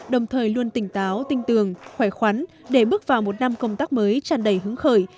đồng thời luôn tỉnh táo tinh tường khỏe khoắn để bước vào một năm công tác mới tràn đầy hứng khởi